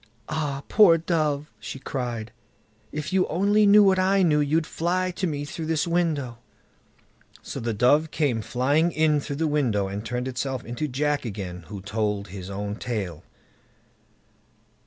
"Ah! poor dove", she cried, "if you only knew what I know, you'd fly to me through this window." So the dove came flying in through the window, and turned itself into Jack again, who told his own tale.